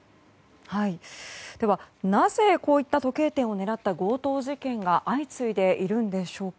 では、なぜこういった時計店を狙った強盗事件が相次いでいるんでしょうか。